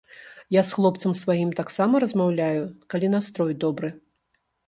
Я з хлопцам сваім таксама размаўляю, калі настрой добры.